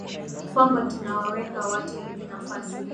kwamba tunawaweka watu kwenye nafasi